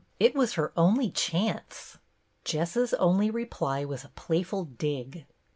It was her only chance." Jess's only reply was a playful dig.